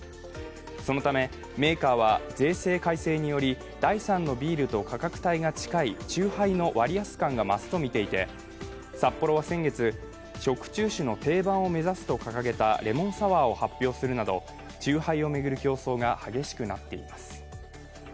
そのため、メーカーは税制改正により第３のビールと価格帯が近い酎ハイの割安感が増すとみていてサッポロは先月、食中酒の定番を目指すと掲げたレモンサワーを発表するなど、酎ハイを巡る競争が激しくなっています。